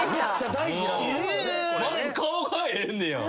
まず顔がええんねや。